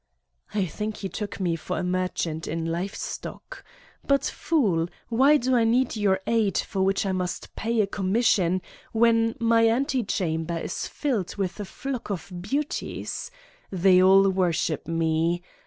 I think *he took me for a merchant in "live stock." But, fool, why do I need your aid for which I must pay a commission, when my ante 49 Satan's Diary chamber is filled with a flock of beaaities? They all worship me.